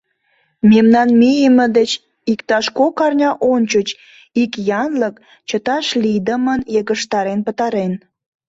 Мемнан мийыме деч иктаж кок арня ончыч ик янлык чыташ лийдымын йыгыштарен пытарен.